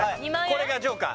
これがＪＯＫＥＲ